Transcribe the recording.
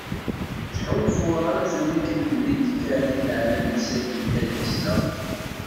Ttḥulfuɣ amzun akken d nekk kan i teɛna temsalt n tadist-a.